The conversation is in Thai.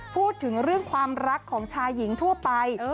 พูดถึงเรื่องความรักของชายหญิงทั่วไป